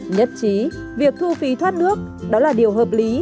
nhất trí việc thu phí thoát nước đó là điều hợp lý